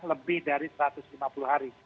lebih dari satu ratus lima puluh hari